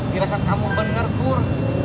perasaan kamu bener pur